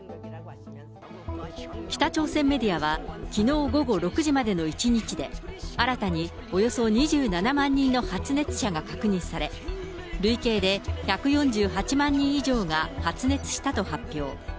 北朝鮮メディアはきのう午後６時までの１日で、新たにおよそ２７万人の発熱者が確認され、累計で１４８万人以上が発熱したと発表。